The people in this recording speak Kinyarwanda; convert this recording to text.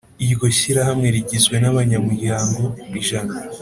Iryo shyirahamwe rigizwe n’abanyamuryango ijana